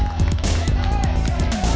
di kakinya tapi gue juga